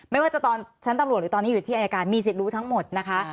ไม่ว่าจะตอนชั้นตำรวจหรือตอนนี้อยู่ที่อายการมีสิทธิ์รู้ทั้งหมดนะคะ